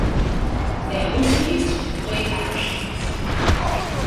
They are also used to deploy parachutes.